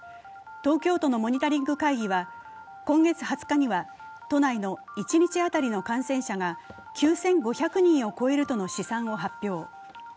東京都のモニタリング会議は今月２０日には都内の一日当たりの感染者が９５００人を超えるとの試算を発表。